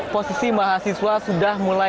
posisi mahasiswa sudah mulai